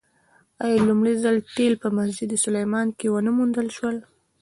آیا لومړی ځل تیل په مسجد سلیمان کې ونه موندل شول؟